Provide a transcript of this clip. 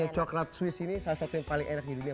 coklat swiss ini salah satu yang paling enak di dunia